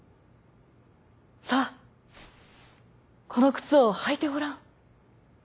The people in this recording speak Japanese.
さあこのくつをはいてごらん」。